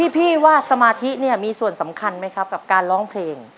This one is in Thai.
พี่ว่าสมาธิเนี่ยมีส่วนสำคัญไหมครับกับการร้องเพลง